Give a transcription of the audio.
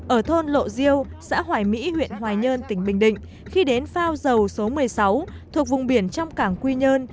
ở thôn lộ diêu xã hoài mỹ huyện hoài nhơn tỉnh bình định khi đến phao dầu số một mươi sáu thuộc vùng biển trong cảng quy nhơn